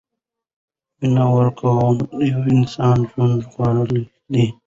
وینه ورکول د یو انسان ژوند ژغورل دي.